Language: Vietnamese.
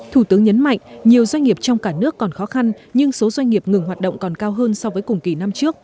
thủ tướng nhấn mạnh nhiều doanh nghiệp trong cả nước còn khó khăn nhưng số doanh nghiệp ngừng hoạt động còn cao hơn so với cùng kỳ năm trước